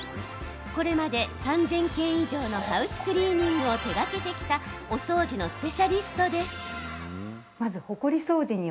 これまで３０００軒以上のハウスクリーニングを手がけてきたお掃除のスペシャリストです。